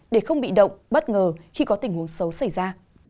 để không bị động bất ngờ khi có tình huống xấu xảy ra